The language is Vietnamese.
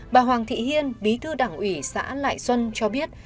bà hoàng thị hiên bí thư đảng ủy xã lại xuân cho biết